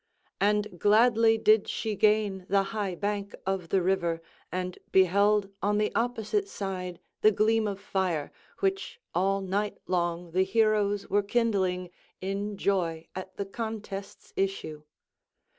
And gladly did she gain the high bank of the river and beheld on the opposite side the gleam of fire, which all night long the heroes were kindling in joy at the contest's issue.